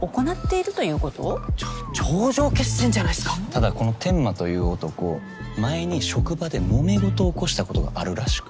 ただこの天間という男前に職場でもめ事を起こしたことがあるらしく。